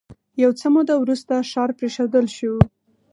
یو څه موده وروسته ښار پرېښودل شو